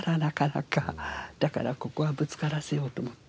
だからここはぶつからせようと思って。